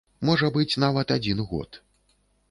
Можа быць нават адзін год.